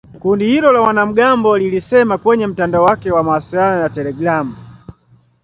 Kundi hilo la wanamgambo lilisema kwenye mtandao wake wa mawasiliano ya telegramu.